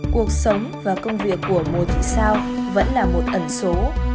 cuộc sống và công việc của mùa thị sao vẫn là một ẩn số